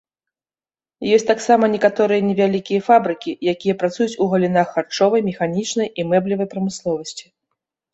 Ёсць таксама некаторыя невялікія фабрыкі, якія працуюць у галінах харчовай, механічнай і мэблевай прамысловасці.